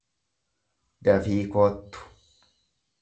Dafii koottu.